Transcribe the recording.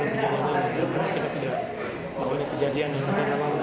bahwa ini kejadian yang tidak pernah